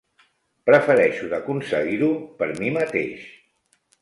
Prefereixo d'aconseguir-ho per mi mateix.